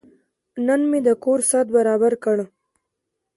نن مې د کور ساعت برابر کړ.